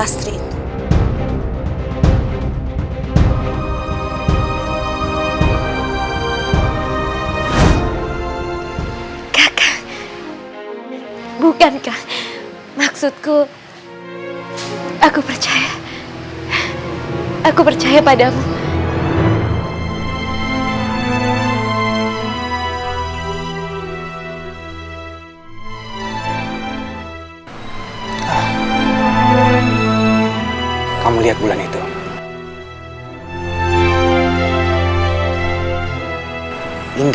sebagai seorang anak lelaki